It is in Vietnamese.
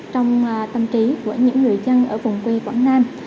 trong tâm trí của những người dân ở vùng quê quảng nam